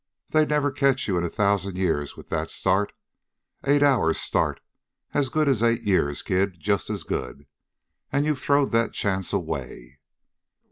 They'd never catch you in a thousand years with that start. Eight hours start! As good as have eight years, kid just as good. And you've throwed that chance away!"